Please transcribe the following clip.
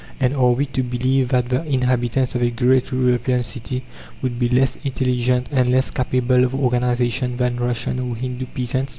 And are we to believe that the inhabitants of a great European city would be less intelligent and less capable of organization than Russian or Hindoo peasants?